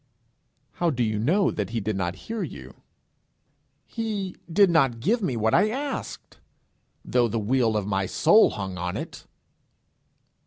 How do you know that he did not hear you? 'He did not give me what I asked, though the weal of my soul hung on it.'